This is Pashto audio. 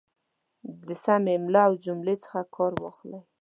د سمې املا او جملې څخه کار واخلئ